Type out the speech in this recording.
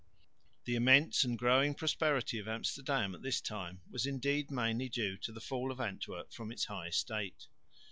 The immense and growing prosperity of Amsterdam at this time was indeed mainly due to the fall of Antwerp from its high estate.